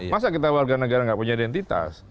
masa kita warga negara tidak punya identitas